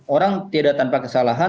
orang tidak tanpa kesalahan